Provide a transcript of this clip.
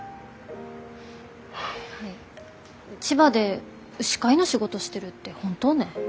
千葉で牛飼いの仕事してるって本当ね？